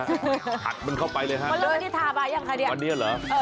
ถัดมันเข้าไปเลยห้ะตอนนี้หรือครับเออทาอย่างนี้